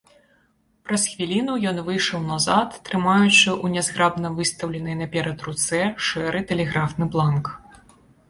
Праз хвіліну ён выйшаў назад, трымаючы ў нязграбна выстаўленай наперад руцэ шэры тэлеграфны бланк.